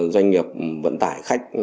doanh nghiệp vận tải khách